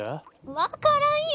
分からんよ。